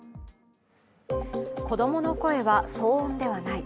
子供の声は騒音ではない。